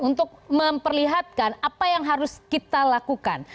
untuk memperlihatkan apa yang harus kita lakukan